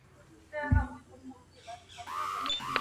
ښه فکر ګټه راولي